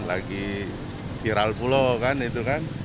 lagi viral pulau kan itu kan